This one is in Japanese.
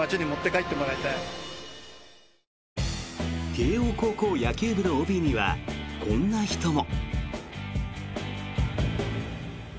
慶応高校野球部のＯＢにはこんな人も。